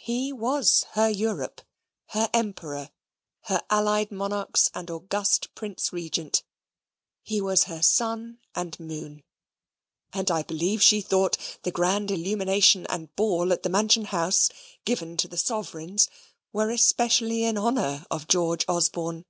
He was her Europe: her emperor: her allied monarchs and august prince regent. He was her sun and moon; and I believe she thought the grand illumination and ball at the Mansion House, given to the sovereigns, were especially in honour of George Osborne.